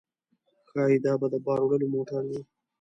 ښايي دا به د بار وړلو موټر و.